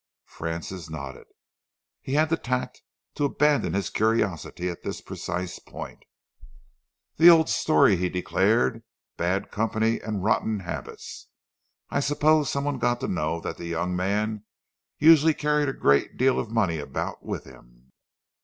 Francis nodded. He had the tact to abandon his curiosity at this precise point. "The old story," he declared, "bad company and rotten habits. I suppose some one got to know that the young man usually carried a great deal of money about with him."